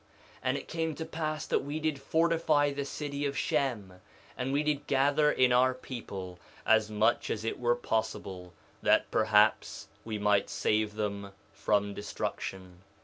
2:21 And it came to pass that we did fortify the city of Shem, and we did gather in our people as much as it were possible, that perhaps we might save them from destruction.